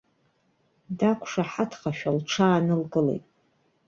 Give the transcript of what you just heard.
Дақәшаҳаҭхашәа лҽаанылкылеит.